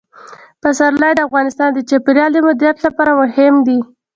پسرلی د افغانستان د چاپیریال د مدیریت لپاره مهم دي.